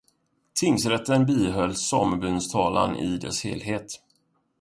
Tingsrätten biföll samebyns talan i dess helhet.